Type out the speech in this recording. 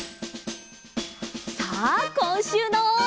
さあこんしゅうの。